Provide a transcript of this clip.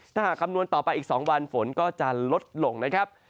ถ้าหากคำนวณต่อไปอีก๒วันฝนก็จะลดลงนะครับ